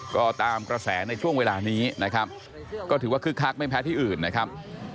ก็ตามกระแสในช่วงเวลานี้นะครับก็ถือว่าคึกคักไม่แพ้ที่อื่นนะครับ